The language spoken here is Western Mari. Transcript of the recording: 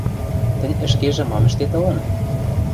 – Тӹнь ӹшкежӹ мам ӹштет ылын?